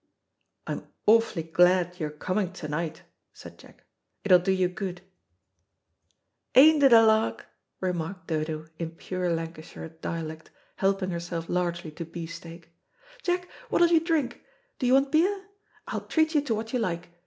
"I'm awfully glad you're coming to night," said Jack; "it'll do you good." "Ain't it a lark?" remarked Dodo, in pure Lancashire dialect, helping herself largely to beefsteak. "Jack, what'll you drink? Do you want beer? I'll treat you to what you like.